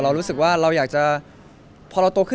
รู้สึกว่าเราอยากจะพอเราโตขึ้น